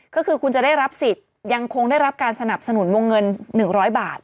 ก็คือคุณจะได้รับสิทธิ์ยังคงได้รับการสนับสนุนวงเงิน๑๐๐บาท